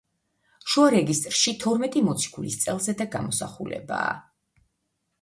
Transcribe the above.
შუა რეგისტრში თორმეტი მოციქულის წელზედა გამოსახულებაა.